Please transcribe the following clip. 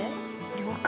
了解。